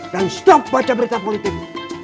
dan stop baca berita politik